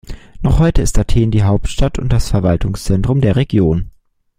Noch heute ist Athen die Hauptstadt und das Verwaltungszentrum der Region.